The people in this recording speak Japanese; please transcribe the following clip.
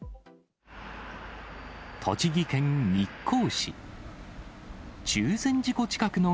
栃木県日光市。